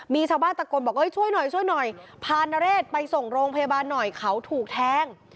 มีชาวบ้านตะโกนบอกช่วยหน่อยช่วยหน่อยพานเรศไปส่งโรงพยาบาลหน่อยเขาถูกแทง